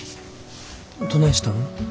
どないしたん？